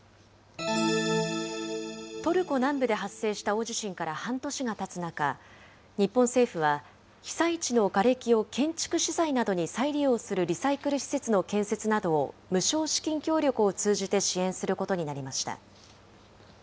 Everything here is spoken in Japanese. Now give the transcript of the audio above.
トルコ南部で発生した大地震から半年がたつ中、日本政府は被災地のがれきを建築資材などに再利用するリサイクル施設の建設などを、無償資金協力を通じて支援することになりました。